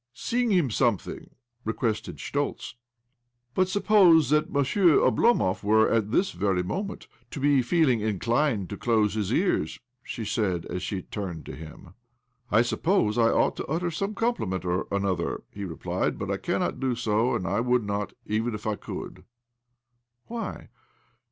" Sing, him something," requested Schtoltz. '^ But suppose that Monsieur Oblomov were, at this very moment, to be feeling inclined to close his ears? " she said as she turned to him. " I suppose I ought to utter some compli ment or another," he replied. " But I cajinot do so, and I would not, even if I could.". "Why?"